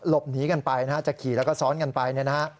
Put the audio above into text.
หลบหนีกันไปนะฮะจะขี่แล้วก็ซ้อนกันไปเนี่ยนะฮะ